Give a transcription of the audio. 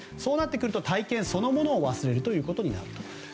そうなってくると体験そのものを忘れるということになると。